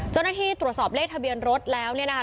เจ้าหน้าที่ตรวจสอบเลขทะเบียนรถแล้วเนี่ยนะคะ